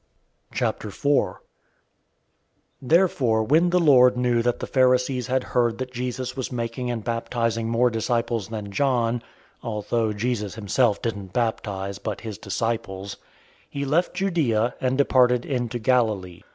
004:001 Therefore when the Lord knew that the Pharisees had heard that Jesus was making and baptizing more disciples than John 004:002 (although Jesus himself didn't baptize, but his disciples), 004:003 he left Judea, and departed into Galilee.